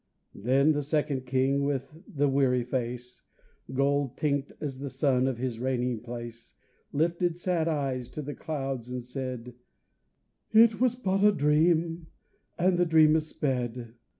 Then the second king with the weary face, Gold tinct as the sun of his reigning place, Lifted sad eyes to the clouds and said, "It was but a dream and the dream is sped.